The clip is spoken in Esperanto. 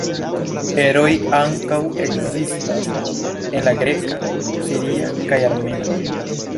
Eroj ankaŭ ekzistas en la greka, siria kaj armena.